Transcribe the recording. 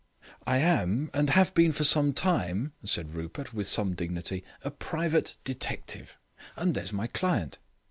"I am and have been for some time," said Rupert, with some dignity, "a private detective, and there's my client."